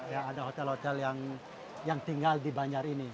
ya ada hotel hotel yang tinggal di banjar ini